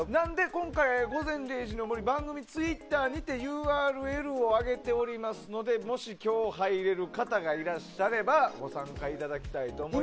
今回「午前０時の森」番組ツイッターにてＵＲＬを上げておりますのでもし、今日入れる方がいらっしゃればご参加いただきたいと思います。